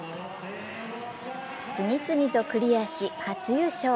次々とクリアし、初優勝。